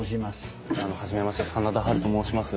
初めまして真田ハルと申します。